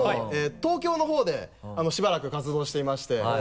東京のほうでしばらく活動していまして。